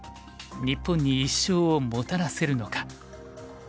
日本に１勝をもたらせるのか。